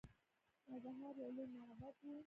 نوبهار یو لوی معبد و